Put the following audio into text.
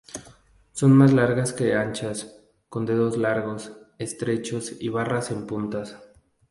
Son más largas que anchas, con dedos largos, estrechos y garras en las puntas.